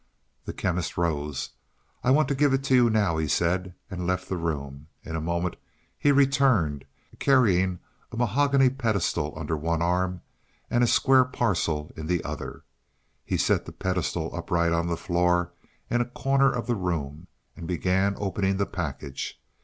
The Chemist rose. "I want to give it now," he said, and left the room. In a moment he returned, carrying a mahogany pedestal under one arm and a square parcel in the other. He set the pedestal upright on the floor in a corner of the room and began opening the package.